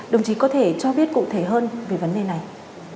đồng chí có thể cho biết cụ thể hơn về vấn đề này